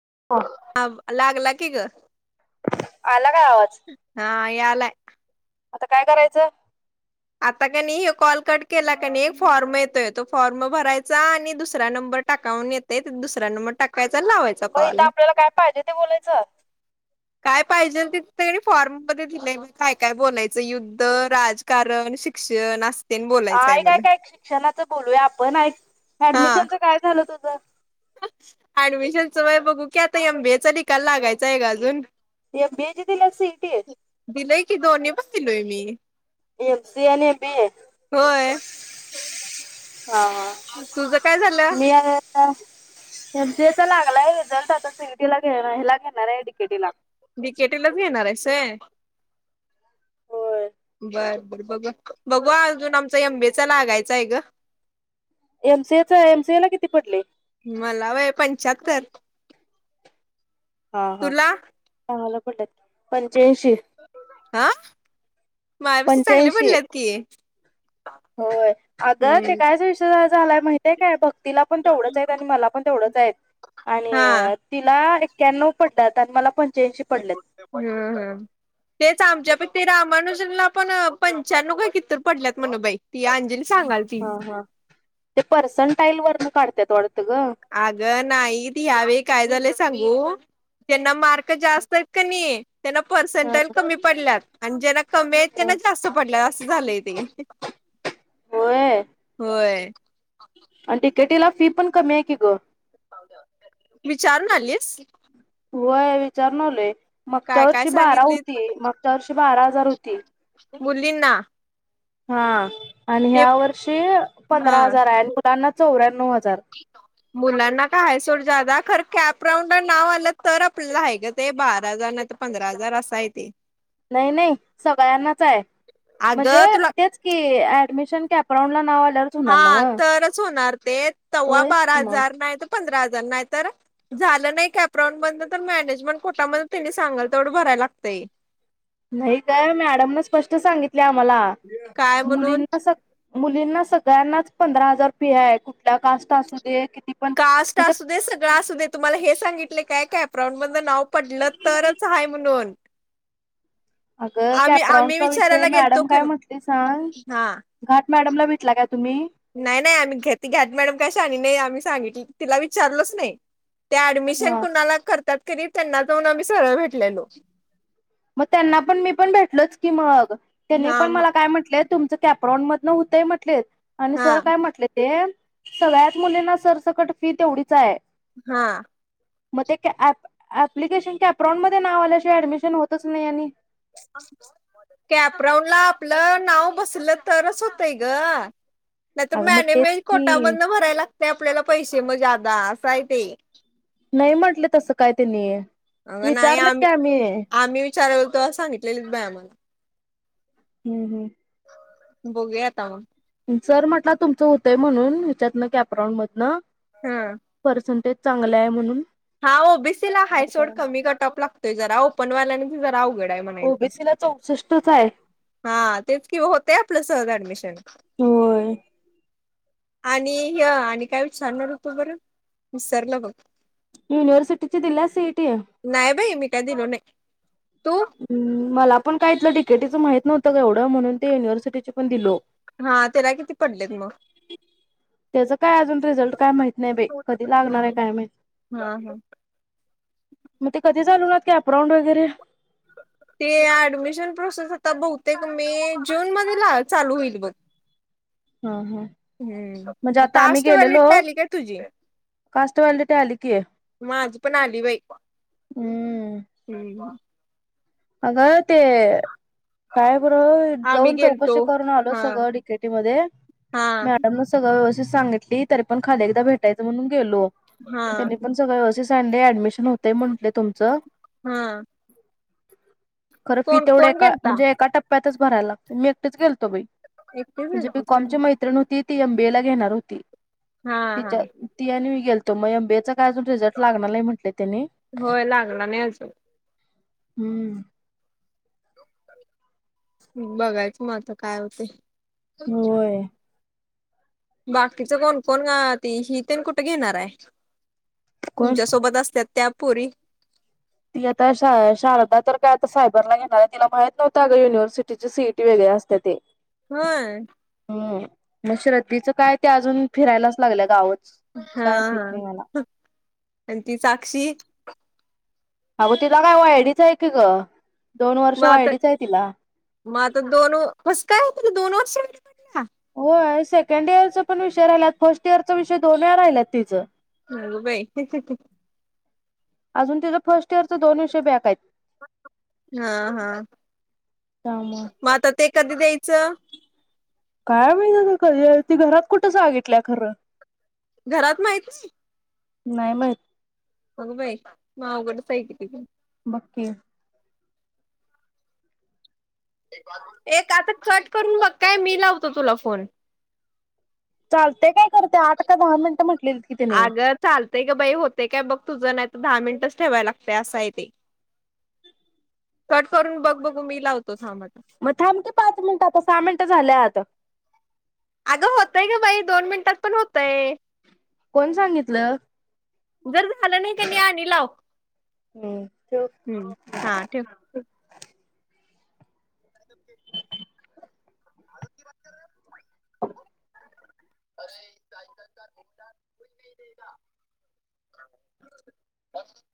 [unintelligible] अम लाग ला की ग. आला काय आवाज हा यालाय. आता काय करायचं. आता का नाही हे कॉल कट केला क एक फॉर्म येतोय तो फॉर्म भरायचा आणि दुसरा नंबर टाकाून येतेय दुसरा नंबर टाकायचा. लावायचा मग इथ कॉल आपल्याला काय पाहिजे. ते बोलायचं. काय पाहिजे ति फॉर्म मध्ये दिलंय काय काय बोलायचं युद्ध राजकारण शिक्षण अस. ह काय काय शिक्षणात बोलूया आपण हा ऍडमिशनच काय झालं तुझ. ऍडमिशनच बघू की आत्ता एम बी ए चा निकाल लागायचं ग अजुन एम बीए ची दिल्या सीईटी दिलेय कि दोनी पण दिलोय. मी एम सी ए आणि एम बी ए. होय. हा हा तुझं काय झालं म एमसीए चा लागलाय रिझल्ट आता सीटीला घेला घेणार आहे डी के टी ए ला. डी के टी ई लाच घेणारेस होय. होय बर बर बघ बघवा. अजून आमचा एम बी ए चा लागायचाय ग. एमसीएचा एमसीए ला किती पडले? मला वय पंच्याहत्तर हा तुला हाला हा. पंच्याऐंशी हा माझ्यापस चांगले पंच्याऐंशी पडलेत की. होय अग ते हम्म कायच विषय झालाय माहितीय काय बघ. तिला पण तेवढंच आहे आणि मला पण तेवढंच आहेत आणि हा तिला एक्यानाऊ पडल्यात आणि मला पण हम हम तेच आमच्या पेक्षा ते रामानुजनला पण पंच्या्णव काय तर कितितर पडल्यात म्हण बाई ती अंजली सांगाल ती. हा हा ते पर्सनटाईल वरून काढत्यात वाढतं. आग नाई ती ह्यावेळी काय झालंय सांगू? त्यांना मार्क जास्त हायत कणी. त्यांना हा पर्सेंटाजल कमी पडल्यात आणि जना कमी आहेत त्यांना जास्त पडल्या. झालंय ते. होय होय. आणि डी के टी फी पण कमी आहे की ग विचारून आलीस. होय विचार न आलोय. मगच्या काय काय वर्षी बारा सांगितलीत होती मगच्या वर्षी बारा हजार होती. मुलीं ना. हा. आणि ह्या वर्षी हा पंधरा हजार आहे. ना चौऱ्यांनव चार मुलांना काय सोड जादा खर कॅप राऊंड नाव आलं तर आपल्याला आहे ग ते बारा हजार नाही तर पंधरा हजार असा आहे ते. नाही नाही सगळ्यांनाच आहे म्हणजे अगं तुला तेच की अडमशन क अप्रं ला आल्यावरच होणार हा नव्ह. तरच होणार ते तेव्हा होयच बारा की मग. हजार नाही तर पंधरा हजार नाही तर झालं नाही कपरां ब तर मॅनेजमेंट कोटा सांगाल तेवढ भराय लागतय. नाही काय मॅडम न स्पष्ट सांगितले आम्हाला काय म्हणून मुलींना स मुलींना सगळ्यांनाच पंधरा हजार फी आहे कुठल्या कास्ट असू दे पण कास्ट म्हणजे असू दे सगळं असू दे तुम्हाला हे सांगितले काय काय प्रवण बंद नाव पडलं तरच आहे म्हणून अगं आम्ही आम्ही कॅप्रॉनचा विषय विचारायला गेलतो मॅडम काय क म्हटली सांग हा घ मॅडमला भेटला का नाही नाही आम्ही घेत घाट मॅडम कशा आणि नाही आम्ही सांगितली तिला विचारलच नाही त्या ऍडमिशन हा कुणाला कर त्या करी त्यांना जाऊन आम्ही सरळ भेटलेलो. मग त्यांना पण मी पण भेटलोच की मग, त्यांनी हा पण म मला काय म्हटलेत? तुमचं कॅप्रॉन मधन होतंय म्हटलेत. आणि हा सर काय म्हटले? ते सगळ्याच मुलींना सरसकट फी तेवढीच हाय. हा. मग ते ॲप ॲपप्लिकेशन कॅप राऊंड मध्ये नाव आल्याशिवाय ऍडमिशन होत च नाही आणि कॅपराउन ला आपलं नाव बसल तरच होतय गं नाही तर अगं मग तेच मॅनेमेज की कोटामधन भराय लाग ते आपल्याला पैसे मग ज्यादा अस हाय ते. नाही म्हटलं तसं काय त्यांनी. अगं नाही, विचारलं की आम्ही आम्ही विचारल् त सांगितलेली बाय आम्हाला. हम्म हम्म. बघूया आता मग. सर म्हंटला तुमचं होतंय म्हणून ह्याच्यातन कॅपराऊंड मधनं. हा परसेंटेज. चांगलं आहे म्हणून हा ओबीसी ला हाय सोड बरोबर कमी म्हटलं कटऑप लागतोय जरा ओ् पणवाल्यांच जरा अवघड. काय म्हणायचं. ओबीसीला चौसष्टच आहे हा तेच कि होतय आपलं सहज ॲड् मिशन. होय. आणि हे आणि काय विचारणार होतो बरं विसरलो बघ. युनिवर्सिटीच दिल्यास सीईटी. नाही बाई मी काय दिलो नाही तू हम् मला पण का इतलं डी के टी च माहित नव्हतं गं एवढं म्हणून ते यूनिव्हर्सिटीच पण दिलो. हा त्याला किती पडलेत मग त्याचा काय अजून रिझल्ट काय माहित नाही बाई कधी लागणार आहे काय माहित? हा हा मग ते क ते चालू आहेत की अपराऊंड वगैरे ते ॲडमिशन प्रोसेस आता बहुतेक मे, जून मध्ये चालू होईल बघ. ह ह. हम्म टास्क [unintelligible] काय तुझी? कास्ट व्हॅलिडिटी आली की माझी पण‌ आली बाई. हम्म. हम्. अगं ते काय बरोबर आम्ही जाऊन गेलतो चौकशी करून आलो हा सगळं डीकेटी मध्ये हा मॅडम न सगळं व्यवस्थि् त सांगितली तरी पण खाली एकदा भेटायचं म्हणून गेलो. हा त्यांनी पण सगळं व्यवस्. संडे ॲडमिशन होतय म्हटलं तुमचं. हा खरं फी कोण तेवढं कोण एका गेलता म्हणजे एका टप्प्. प्प्यातच भराय लागतंय. मी एकटीच गेलतो बाई. एकटीच म्हणजे गेलतीस काय बिकॉमची मैत्रिण होती. ती एमबीएला घेनार होती. हा हा तिच्या ति आनी वी. गेलतो म एमबीएचा काय अजून रीझल्ट लागना नाही म्हंतायत. होय लागला नाही अजून. हम्म. बघायचं म आता काय होतय. होओय. बाकीच कोण कोण गं ती हि तेन कुठं घेणाराय? कोण तुमच्या सोबत असत्या. त्या पोरी. ती आता शा शारदा तर काय आता सायबरला घेनाराय तिला माहित नव्हंत अग युनिव्हर्सिटीच सीट वेगळी असत्याते. होय हम्म म श्रद्धीचं काय? ती अजून फिरायलाच लागल्या गाव. हां हां आणि ती साक्षी? अगं तिला काय वायडीच हाय कीग. म आता म आता दोन व कसंकाय? त दोन वर्षय हां. होय सेकंड इयरचापण विषय राहिल्यात फर्स्ट इयरचा विषय दोन वेळा राहिल्यात तिचं. अगंबाई. अजून तिजं फर्स्ट इयरच दोन विषय बॅकायत. हां हां त्यामुळं मआता ते कधी द्यायचं? काय माहित की ती घरात कुठं सगितलं खरं. घरात माहित. नाय माहीत. अगं बाई म आवघडचायकी. बगकी. एक आत कट करून बघकाय मी लावतो तुला फोन. चालतंय काय खरं ते आठ का दहा मिन्ट म्हट. अगं चालतय ग बाई होते काय बघ तुझ नाही. दहा मिन्टच ठेवायलागतय असाय ते कट करून बग बगु. म थांबकी पाच मिन्ट आता सा मिन्ट झाल्यात. अगं होतय ग बाई दोन मिन्टात पण होतय. कोन सांगितलं? जर झालं नई कीनई आणि लाव. हं. हम्म हां ठेव. [inaudible] [unintelligible]